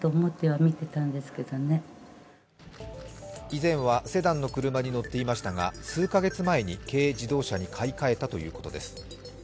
以前はセダンの車に乗っていましたが数か月前に軽乗用車に買い替えたということです。